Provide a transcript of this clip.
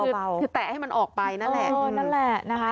แปะให้มันออกไปนั่นแหละ